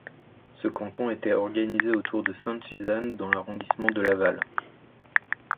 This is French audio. Ce canton était organisé autour de Sainte-Suzanne dans l'arrondissement de Laval.